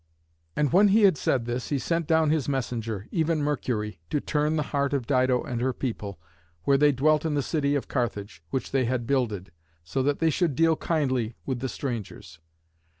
And when he had said this, he sent down his messenger, even Mercury, to turn the heart of Dido and her people, where they dwelt in the city of Carthage, which they had builded, so that they should deal kindly with the strangers.